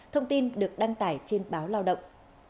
thông tin được đăng tải trên báo lao động